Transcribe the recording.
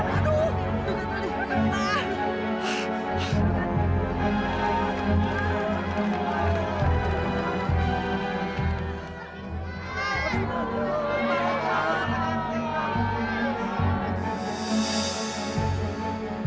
aduh kugetul banget sih